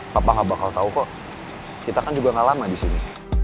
papa nggak bakal tau kok kita kan juga nggak lama di sini